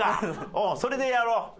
おうそれでやろう。